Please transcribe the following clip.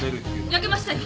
焼けましたよ。